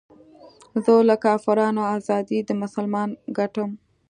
زه له کافرانو ازادي د مسلمان ګټم